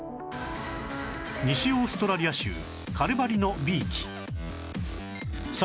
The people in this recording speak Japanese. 西オーストラリア州カルバリのビーチ